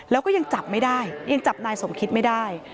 แล้วก็ยังจับไม่ได้ยังจับนายสมคิดไม่ได้